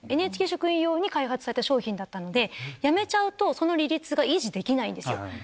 ＮＨＫ職員用に開発された商品だったので、辞めちゃうと、その利率が維持できないんですよ。